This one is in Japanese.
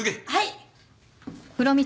はい！